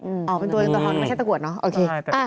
อ๋อเป็นตัวเงินตัวทองนี่ไม่ใช่ตะกรวดเนอะโอเคอ่า